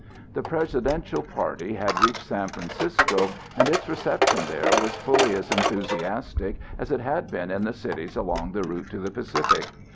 The Presidential party had reached San Francisco, and its reception there was fully as enthusiastic as it had been in the cities along the route to the Pacific.